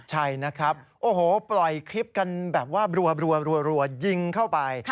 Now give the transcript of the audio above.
ใช่นะครับโอ้โหปล่อยคลิปกันแบบว่ารัวยิงเข้าไป